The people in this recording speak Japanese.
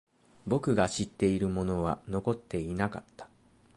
僕が知っているものは残っていなかった。